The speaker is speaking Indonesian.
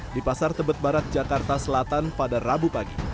di pasar tebet barat jakarta selatan pada rabu pagi